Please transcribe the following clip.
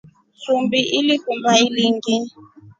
Shumbi ulikumba ilinga ?